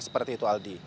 seperti itu aldi